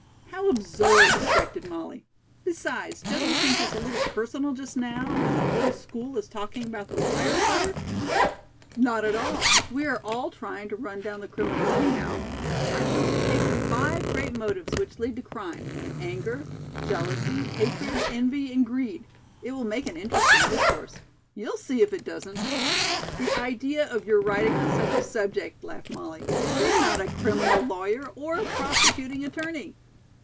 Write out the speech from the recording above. "How absurd," objected Molly. "Besides, don't you think that's a little personal just now, when the whole school is talking about the wire cutter?" "Not at all. We are all trying to run down the criminal, anyhow. I shall take the five great motives which lead to crime: anger, jealousy, hatred, envy and greed. It will make an interesting discourse. You'll see if it doesn't." "The idea of your writing on such a subject," laughed Molly. "You're not a criminal lawyer or a prosecuting attorney."